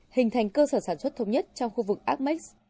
hình thành cơ sở sản xuất thống nhất trong khu vực amex